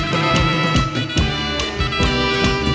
กลับไปที่นี่